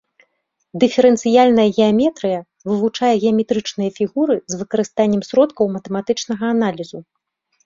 Дыферэнцыяльная геаметрыя вывучае геаметрычныя фігуры з выкарыстаннем сродкаў матэматычнага аналізу.